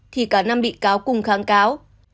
thì cả năm bị cáo cùng kháng cáo